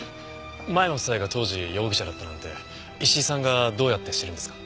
間山夫妻が当時容疑者だったなんて石井さんがどうやって知るんですか？